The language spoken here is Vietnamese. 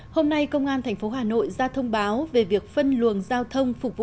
hôm nay công an thành phố hà nội ra thông báo về việc phân luồng giao thông phục vụ